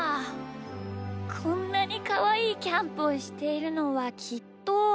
こんなにかわいいキャンプをしているのはきっと。